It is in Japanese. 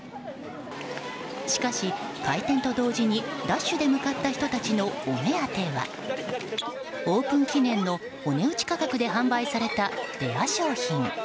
しかし、開店と同時にダッシュで向かった人たちのお目当てはオープン記念のお値打ち価格で販売されたレア商品。